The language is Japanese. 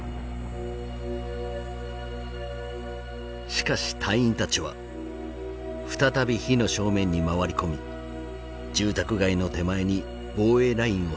しかし隊員たちは再び火の正面に回り込み住宅街の手前に防衛ラインを再構築。